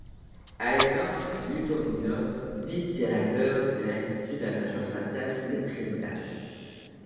Alexandre Lutovinov, Vice-Directeur de l’Institut de recherche spatiale, le Président.